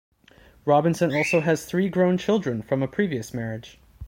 Robinson also has three grown children from a previous marriage.